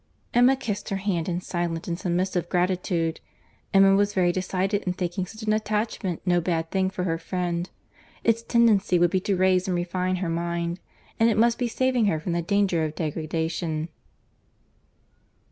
Harriet kissed her hand in silent and submissive gratitude. Emma was very decided in thinking such an attachment no bad thing for her friend. Its tendency would be to raise and refine her mind—and it must be saving her from the danger of degradation.